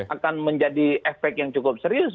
akan menjadi efek yang cukup serius